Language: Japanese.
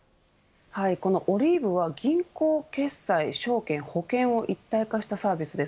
このＯｌｉｖｅは、銀行決済証券、保険を一体化したサービスです。